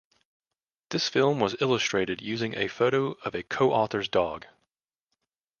This film was illustrated using a photo of a co-author's dog.